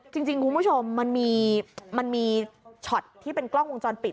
จริงคุณผู้ชมมันมีช็อตที่เป็นกล้องวงจรปิด